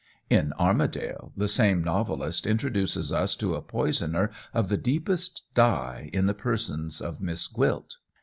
In "Armadale," the same novelist introduces us to a poisoner of the deepest dye in the person of Miss Gwilt.